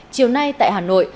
chiều nay tại hà nội